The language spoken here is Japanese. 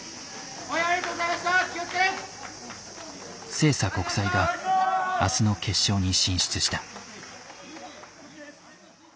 星槎国際が明日の決勝に進出した。